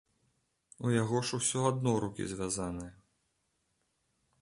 У яго ж усё адно рукі звязаныя.